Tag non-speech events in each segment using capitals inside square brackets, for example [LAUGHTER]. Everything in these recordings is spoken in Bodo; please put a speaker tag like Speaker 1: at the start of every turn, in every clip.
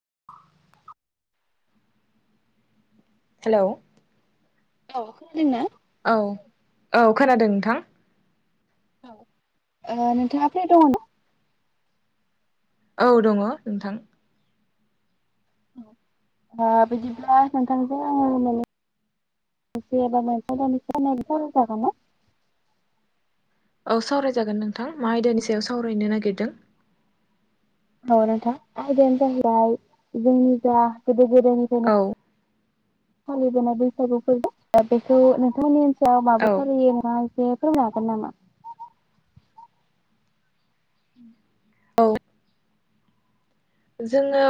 Speaker 1: [INAUDIBLE]
Speaker 2: हेल'
Speaker 1: औ खनादोंना?
Speaker 2: औ औ खोनादों नोंथां।
Speaker 1: औ ओ-नोंथाङा फ्रि दंङ ना?
Speaker 2: औ दंङ नोंथां।
Speaker 1: बिदिब्ला नोंथांजों आङो मोने एसे बा [UNINTELLIGIBLE] जागोन ना?
Speaker 2: औ सावरायजागोन नोंथां मा आयदानि सायाव सावरायनो नागिरदों?
Speaker 1: औ नोंथां आयदायानो जाहैबाय जोंनि जा गोदो गोदायनिफ्रायनो।
Speaker 2: औ
Speaker 1: फालिबोनाय बैसागु फोरबो बेखौ नोंथांनि ओनसोलाव
Speaker 2: औ
Speaker 1: माबोरै फालियो [UNINTELLIGIBLE] फोरमायगोन नामा? [UNINTELLIGIBLE]
Speaker 2: औ जोङो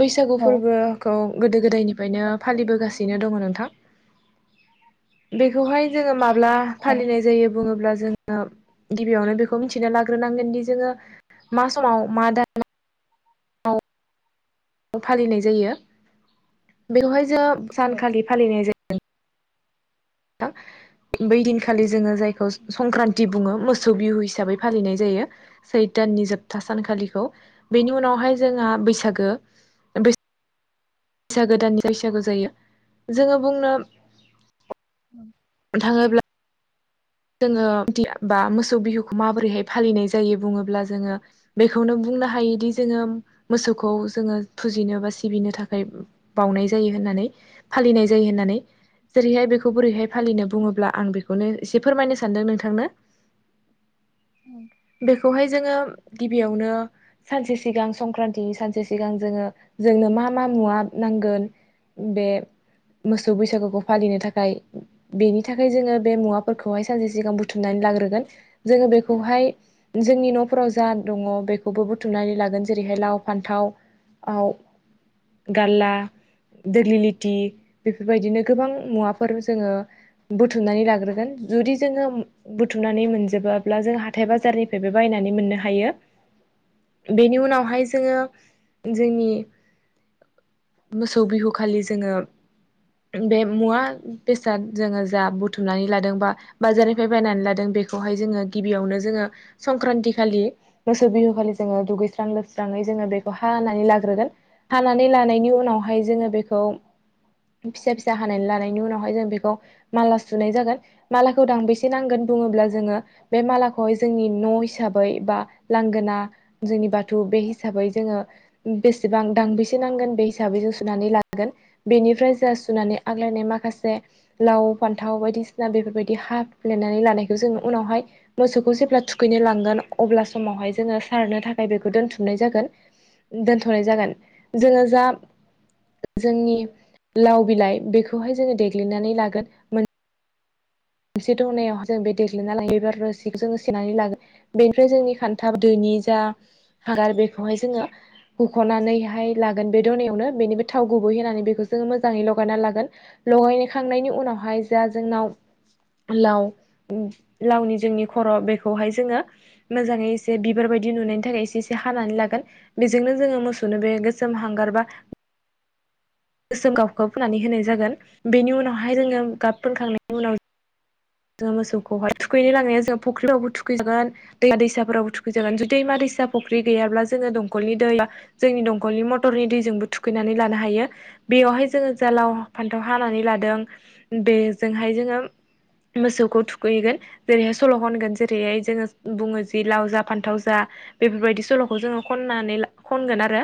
Speaker 2: बैसागु
Speaker 1: औ
Speaker 2: फोरबोखौ गोदो गोदायनिफ्रायनो फालिबोगासिनो दंङ नोंथां। बेखौहाय जोङो माब्ला
Speaker 1: औ
Speaker 2: फालिनाय जायो बुङोब्ला। जोङो गिबियावनो बेखौ मिथिना लाग्रोनांगोनदि जोङो। मा समाव मा दान। फालिनाय जायो बेवहाय जों
Speaker 1: औ
Speaker 2: सानखालि फालिनाय जा बै दिनखालि जोङो जायखौ संक्रान्ति बुंङो। मोसौ बिहु हिसाबै फालिनाय जायो सैथो दाननि जोबथा सानखालिखौ। बेनि उनावहाय जोंहा बैसागो। ओ-बैस सागोदाननि बैसागु जायो जोङो बुंनो। थांङोब्ला। जोंङो बा मोसौ बिहुखौ माबोरैहाय फालिनाय जायो बुङोब्ला जोंङो बेखौनो नं नो हायोदि जोङो मोसौखौ जोङो फुजिनो बा सिबिनो थाखाय बावनाय जायो होनना नै फालिनाय जायो होननानै। जेरैहाय बेखौ बोरैहाय फालिनो बुङोब्ला आं बेखौनो एसे फोरमायनो सानदों नोंथांनो बेखौहाय जोङो गिबियावनो सानसे सिगां संक्रान्तिनि सानसे सिगां जोङो जोंनो मा मा मुवा नांगोन बे मोसौ बैसागुखौ फालिनो थाखाय बेनि थाखाय जोङो बे मुवा फोरखौहाय सानसे सिगां बुथुमनानै लाग्रोगोन। जोङो बेखौहाय जोंनि न'फोराव जा दङ बेखौबो बुथुमनानै लागोन। जेरैहाय लाव, फान्थाव आव गाल्ला। दोग्लिलिटि। बेफोरबायदिनो गोबां मुवाफोर जोङो बुथुमनानै लाग्रोगोन। जुदि जोङो बुथुमनानै मोनजोबाब्ला जों हाथाय बाजारनिफ्रायबो बायनानै मोननो हायो।
Speaker 1: [INAUDIBLE]
Speaker 2: बेनि उनावहाय जोङो जोंनि मोसौ बिहु खालि जोङो बे मुवा बेसाद जोङो जा बुथुमनानै लादों बा बाजारनिफ्राय बायनानै लादों, बेखौहाय जोङो गिबियावनो जोङो संक्रान्ति खालि मोसौ बिहु खालि जोङो दुगैस्रां लोबस्राङै जोङो बेखौ हानानै लाग्रोगोन। हानानै लानायनि उनाव हाय जोङो बेखौ फिसा फिसा हानानै लानायनि उनावहाय जों बेखौ माला सुनाय जागोन। मालाखौ दांबेसे नांगोन बुङोब्ला जोङो बे मालाखौहाय जोंनि न' हिसाबै बा लांगोना ना जोंनि बाथौ बे हिसाबै जोङो बेसेबां दांबेसे नांगोन बे हिसाबै जों सुनानै लागोन। बेनिफ्राय जा सुनानै आग्लायनाय माखासे लाव फान्थाव बायदिसिना बेफोरबाय दि हाफ्लेनानै लानायखौ जों उनावहाय मोसौखौ जेब्ला थुखैनो लांगोन अब्ला समावहाय जोङो सारनो थाखाय बेखौ दोनथुमनाय जागोन, दोनथ'नाय जागोन। जोङो जा जोंनि लाव बिलाइ बेखौहाय जोङो देग्लिनानै लागोन। मोन से दनायाव जों बे देग्लिना लायोब्ला रोसिखौ जोङो सेनानै लागोन। बेनिफ्राय जोंनि खान्था दोनि जा हांगार बेखौहाय जोङो हुखनानैहाय लागोन बे दनायावनो। बेनिफाय थाव गुबै होनानै बेखौ जों मोजांङै लगायनानै लागोन। लगाय खांनायनि उनावहाय जा जोंनाव लाव लावनि जोंनि खर' बेखौहाय जोङो मोजाङै एसे बिबार बायदि नुनायनि थाखाय एसे एसे हानानै लागोन। बेजोंनो जोङो मोसौनो बे गोसोम हांगार बा गोसोम गाबखौ फुननानै होनाय जागोन। बेनि उनावहाय जोङो गाब फोनखांनायनि उनाव जोङो मोसौखौहाय थुखैनो लांनाया जों फुख्रिफ्रावबो थुखैजागोन, दैसाफोरावबो थुखैजागोन। जुदि दैमा दैसा फिसा फख्रि गैयाब्ला जोङो दंकलनि दै जोंनि दंकलनि मटरनि दैजोंबो थुखैनानै लानो हायो। बेयावहाय जोङो जा लाव फान्थाव हानानै लादों बेजोंहाय जोङो मोसौखौ थुखैगोन जेरैहाय सल' होनगोन जेरैहाय जोङो बुङो जि लाव जा फान्थाव जा। बेफोरबायदि सल'खौ जोङो खननानै खनगोन आरो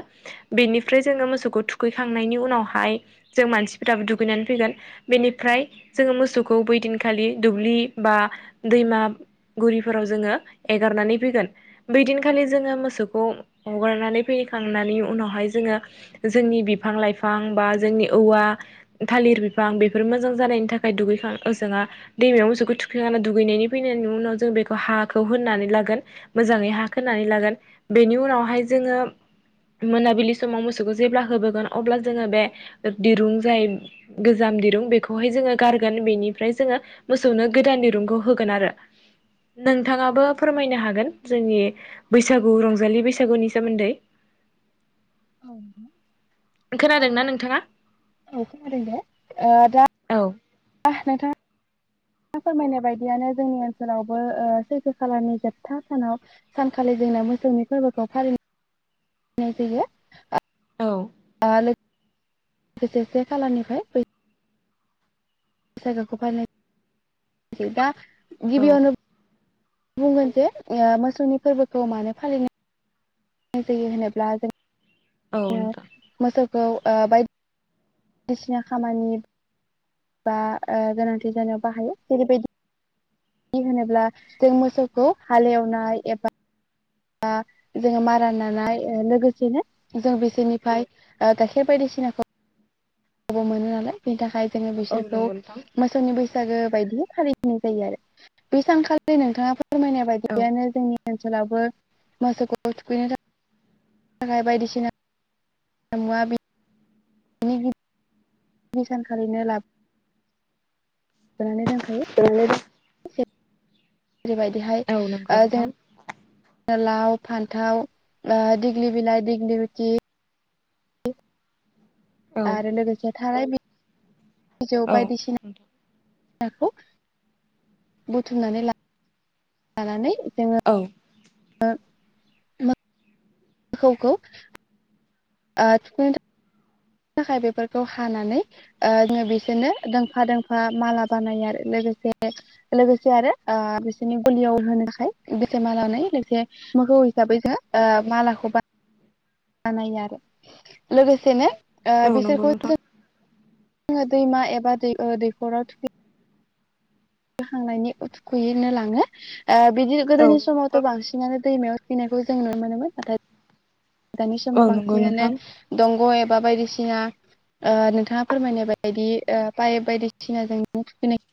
Speaker 2: बेनिफ्राय जोङो मोसौखौ थुखैखांनायनि उ नावहाय जों मानसिफोराबो दुगैनानै फैगोन। बेनिफ्राय जोङो मोसौखौ बैदिन खालि दुब्लि बा दैमागुरिफोराव जोङो एगारनानै फैगोन। बै दिन खालि जोङो मोसौखौ हरनानै फैखांनानै उनावहाय जोङो जोंनि बिफां लाइ लाइफां बा जोंनि औवा, थालिर बिफां बेफोर मोजां जानायनि थाखाय दुगैखां ओजोङा दैमायाव मोसौखौ थुखैनानै दुगैनायनि फैनायनि उनाव जों बेखौ हाखौ होनानै लागोन। मोजाङै हा खोनानै लागोन बेनि उनावहाय जोङो मोनाबिलि समाव मोसौखौ जेब्ला होबोगोन अब्ला जोङो बे दिरुं जाय गोजाम दिरुं बेखौहाय जोङो गारगोन। बेनिफ्राय जोङो मोसौनो गोदान दिरुंखौ होगोन आरो। नोंथाङाबो फोरमायनो हागोन जोंनि बैसागु रंजालि बैसागुनि सोमोन्दै।
Speaker 1: [INAUDIBLE] औ
Speaker 2: खोनादोंना नोंथाङा?
Speaker 1: औ खोनादों दे। ओ दा
Speaker 2: औ
Speaker 1: नोंथाङा फोरमायनाय बायदियानो जोंनि ओनसोलावबो ओ सैथो खालानि जोबथा सानाव सानखालि जों मोसौनि फोरबोखौ फालिनाय जायो।
Speaker 2: औ
Speaker 1: ओ लोगोसे से खालारनिफ्राय जायगाखौ बानाय दा
Speaker 2: औ
Speaker 1: गिबियावनो बुंगोन जे ओ मोसौनि फोरबोखौ मानो फालिनो [UNINTELLIGIBLE] होनोब्ला जों।
Speaker 2: औ नोंथां।
Speaker 1: औ ओ बायदिसिना खामानि बा ओ गोनांथि जानायाव बाहायो जेरैबायदि दि होनोब्ला जों मोसौखौ हालेवनाय एबा आ जोङो मारा नानाय लोगोसेनो जों बिसोरनिफ्राय ओ गाइखेर बायदिसिना सिनाखौ बो मोनो नालाय बेनि थाखाय जोङो
Speaker 2: औ
Speaker 1: बिसोरखौ
Speaker 2: नंगौ नोंथां
Speaker 1: मोसौनि बैसो बैसागो बायदि खालि होननाय जायो आरो बे सानखालि नोंथाङा फोरमायनाय
Speaker 2: औ
Speaker 1: बायदियानो जोंनि ओनसोलावबो मोसौखौ थुखैनो था खाय बायदिसिना मुवा बि [UNINTELLIGIBLE] बै सानखालिनो लाब ओरैनो दों।
Speaker 2: [UNINTELLIGIBLE]
Speaker 1: जेरैबायदिहाय
Speaker 2: औ नंगौ
Speaker 1: ओ
Speaker 2: नोंथां
Speaker 1: जों लाव फान्थाव ओ दिग्लि बिलाइ दिग्लिबिति।
Speaker 2: औ
Speaker 1: आरो लोगोसे थारायबि बिजौ
Speaker 2: औ नोंथां
Speaker 1: बायदिसिनाखौ बुथुमनानै ला लानानै
Speaker 2: औ।
Speaker 1: ओ मो खौखौ। ओ थुखैनो थाखाय बेफोरखौ हानानै ओ जोङो बिसोरनो दोंफा दोंफा माला बानायो आरो लोगो से लोगोसे आरो ओ बिसोरनि गलियाव होनोथाखाय [UNINTELLIGIBLE] जौ हिसाबै जोङो ओ मालाखौ बानायो आरो लोगोसेनो ओ
Speaker 2: औ नंगौ
Speaker 1: बिसोरखौ
Speaker 2: नोंथां
Speaker 1: जों जोङो दैमा एबा दै दैखराव थुखै जाखांनायनि उ थुखैनो लाङो ओ बिदि
Speaker 2: औ
Speaker 1: गोदोनि समावथ'
Speaker 2: नोंथां
Speaker 1: बांसिनानो दैमायाव थुखैनायखौ जों नुनो मोनोमोन नाथाय दानि समाव
Speaker 2: औ नंगौ
Speaker 1: बांसिनानो
Speaker 2: नोंथां
Speaker 1: दंग' एब बा बायदिसिना ओ नोंथाङा फोरमायनाय बायदि ओ पाइप बायदिसिनाजों नों थुखैनाय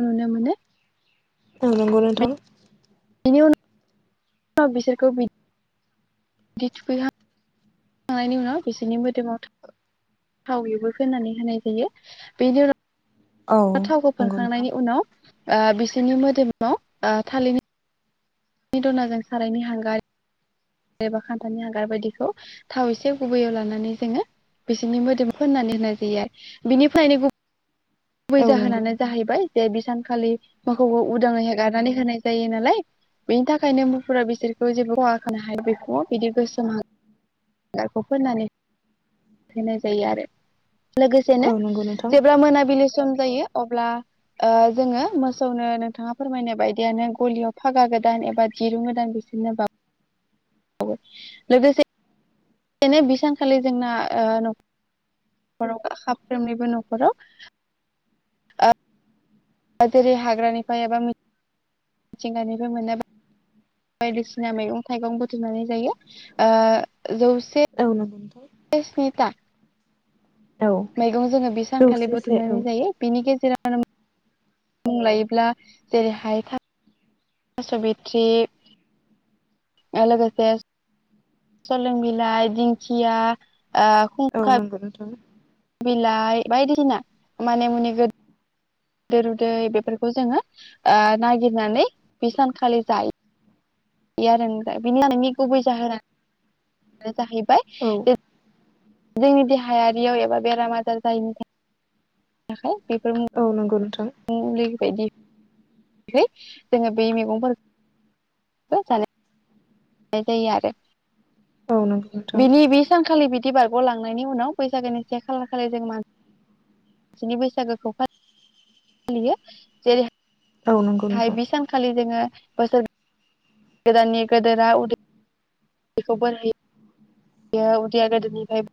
Speaker 1: नुने मोनो।
Speaker 2: औ नंगौ नोंथां।
Speaker 1: बिनि उनाव बिसोरखौ बि बिदि थुखैहांखांनायनि उनाव बिसोरनि मोदोमाव था थावैबो फोनानै होनाय जायो बे उनाव
Speaker 2: औ
Speaker 1: थावखौ
Speaker 2: नंगौ नोंथां
Speaker 1: फोनखांनायनि उनाव ओ बिसोरनि मोदोमाव ओ थालिरनि नि दनाजों सारायनि हांगार एबा खान्थालन हांगार बायदिखौ थाव एसे गुबैयाव लानानै जोङो बिसोरनि मोदोम फोननानै होनाय जायो आरो बिनिफ्रायनो गुबुन गुबै
Speaker 2: औ नंगौ
Speaker 1: जाहोनानो
Speaker 2: नोंथां
Speaker 1: जाहैबाय जे बिसा खालि माखौबा उदाङै होगारनानै होनाय जायो नालाय बेनि थाखायनो मुफुरा बिसोरखौ जेबो खहा खानो हाया बेखौ बिदि गोसोम हा गिर खौ फोननानै होनाय जायो आरो लोगोसेनो
Speaker 2: औ नंगौ नोंथां
Speaker 1: जेब्ला मोनाबिलि सम जायो अब्ला ओ जोङो मोसौनो नोंथाङा फोरमायनाय बायदियानो गलियाव फागा ग गोदान एबा दिरुं गोदान बिसोरनो बाव वो लोगोसे सेनो बि सानखालि जोंना ओ न' खराव खफ्रोमनिबो न'खराव ओ जेरै हाग्रानिफ्राय एबा मिथिंगानिफ्राय मोनाय बायदिसिना मैगं थाइगं बुथुमनानै जायो ओ
Speaker 2: औ नंगौ नोथां
Speaker 1: बेस्निता
Speaker 2: औ
Speaker 1: मैगं जोङो बि सानखालि
Speaker 2: जौसे से औ
Speaker 1: बुथुमनानै जायो बिनि गेजेराव [UNINTELLIGIBLE] मुं लायोब्ला जेरैहाय थास' बित्रि ओलोगोसे सलों बिलाइ दिंखिया
Speaker 2: औ
Speaker 1: खुंखा
Speaker 2: नंगौ नोंथां
Speaker 1: बिलाइ बायदिसिना माने मुनि गोद देर रुदै बेफोरखौ जोङो ओ नागिरनानै बे सानखालि जायो बे आरो बिनि जानाइनि गुबै जाहोनानो जाहैबाय‌
Speaker 2: औ
Speaker 1: जोंनि देहायारियाव एबा बेराम आजार जायैनि था थाखाय
Speaker 2: औ नंगौ नोंथां।
Speaker 1: [UNINTELLIGIBLE] जोङो बे मैगं जानाय [UNINTELLIGIBLE] जानाय जायो आरो
Speaker 2: औ नंगौ नोंथां
Speaker 1: बिनि बे सानखालि बि दि बारगलांनायनि उनाव बैसागोनि से खालार खालि जों मान सिनि बैसागोखौ फालियो जेरै
Speaker 2: औ नंगौ
Speaker 1: गाहाय
Speaker 2: नोंथां
Speaker 1: बि सानखालि जोङो बोसोर गोदाननि गोदोरा उदै बेखौ बोर हो यो उदैया गोदोनिफ्राय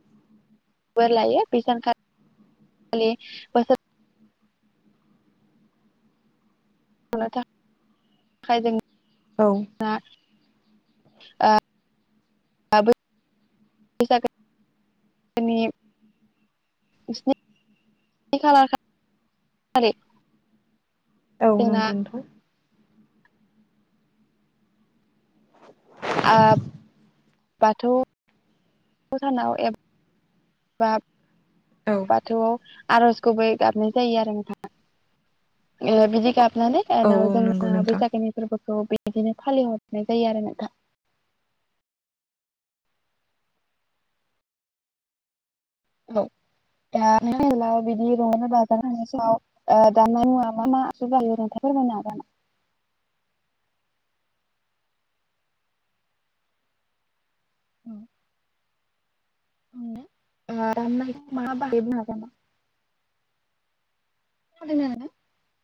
Speaker 1: बोर लायो बे सानखालि बोसोर [UNINTELLIGIBLE] [UNINTELLIGIBLE]
Speaker 2: औ
Speaker 1: नि स्नि खालार [UNINTELLIGIBLE]
Speaker 2: औ
Speaker 1: जोंना
Speaker 2: नंगौ नोंथां
Speaker 1: आ बाथौ भटानाव एब बा
Speaker 2: औ
Speaker 1: बाथौआव आर'ज गुबै गाबनाय जायो आरो नोंथां ओ बिदि गाबनानै
Speaker 2: औ
Speaker 1: उनाव
Speaker 2: नंगौ
Speaker 1: जोंना
Speaker 2: नोंथां
Speaker 1: बैसागोनि फोरबो खौ बिदिनो फालिहरनाय जायो आरो नोंथां। औ [UNINTELLIGIBLE] [UNINTELLIGIBLE] औ [UNINTELLIGIBLE] [UNINTELLIGIBLE]